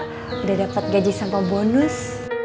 udah dapet gaji sama bonus